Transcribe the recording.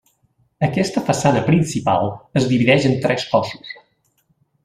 Aquesta façana principal es divideix en tres cossos.